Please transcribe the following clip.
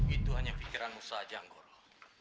itu hanya pikiranmu saja anggoro